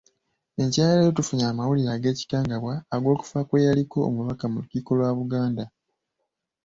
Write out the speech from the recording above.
Enkya ya leero tufunye amawulire ag’ekikangabwa ag’okufa kwe yaliko omubaka mu Lukiiko lwa Buganda.